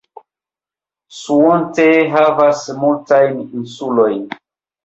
Suontee havas multajn insulojn.